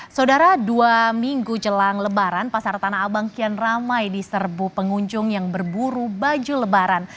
saudara dua minggu jelang lebaran pasar tanah abang kian ramai diserbu pengunjung yang berburu baju lebaran